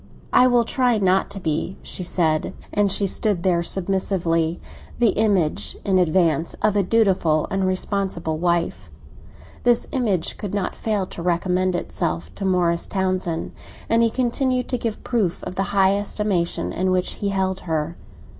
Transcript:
"I will try not to be," she said. And she stood there submissively, the image, in advance, of a dutiful and responsible wife. This image could not fail to recommend itself to Morris Townsend, and he continued to give proof of the high estimation in which he held her.